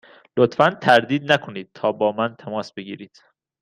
لطفا تردید نکنید تا با من تماس بگیرید.